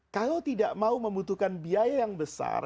kalau tidak mau membutuhkan biaya yang besar